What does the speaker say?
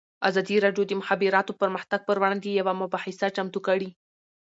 ازادي راډیو د د مخابراتو پرمختګ پر وړاندې یوه مباحثه چمتو کړې.